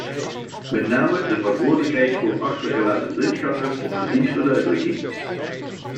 Met name de verantwoordelijkheid voor achtergelaten blindgangers verdient verduidelijking.